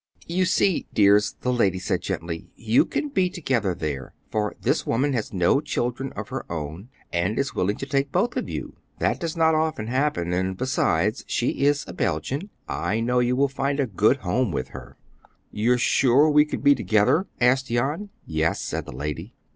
"You see, dears," the lady said gently, "you can be together there, for this woman has no children of her own, and is willing to take both of you. That does not often happen, and, besides, she is a Belgian; I know you will find a good home with her." "You're sure we could be together?" asked Jan. "Yes," said the lady.